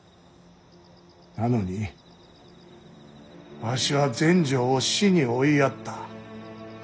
なのにわしは全成を死に追いやった。